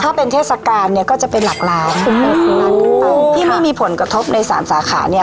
ถ้าเป็นเทศกาลเนี่ยก็จะเป็นหลักล้านคุ้มล้านขึ้นไปที่ไม่มีผลกระทบในสามสาขาเนี่ย